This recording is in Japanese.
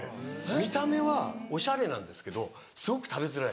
見た目はおしゃれなんですけどすごく食べづらい。